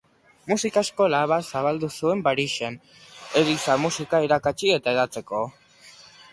Musika eskola bat zabaldu zuen Parisen eliza-musika irakatsi eta hedatzeko.